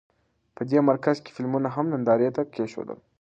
په دې مرکز کې فلمونه هم نندارې ته کېښودل.